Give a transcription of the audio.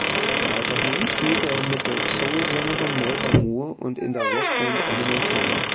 Weiterhin spielte er mit der Soul-Sängerin Melba Moore und in der Rockband "Animal Farm".